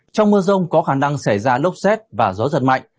trong mưa rông có khả năng xảy ra lốc xét và gió giật mạnh